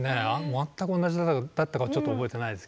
全く同じだったかはちょっと覚えてないですけど。